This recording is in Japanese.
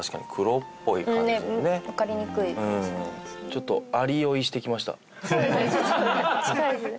ちょっと近いですね。